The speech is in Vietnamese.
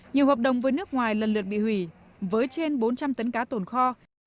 nhiều hợp đồng với nước ngoài lần lượt bị hủy với trên bốn trăm linh tấn cá tồn kho